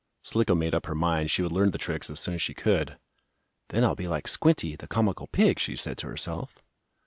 Slicko made up her mind she would learn the tricks as soon as she could. "Then I'll be like Squinty, the comical pig," she said to herself.